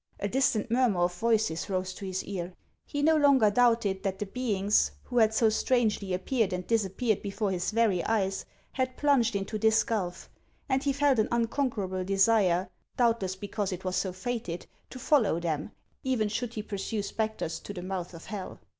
A distant murmur of voices rose to his ear. He no longer doubted that the beings who had so strangely appeared and disappeared before his very eyes had plunged into this gulf, and he felt an unconquerable desire, doubtless be cause it was so fated, to follow them, even should he pursue spectres to the mouth of hell.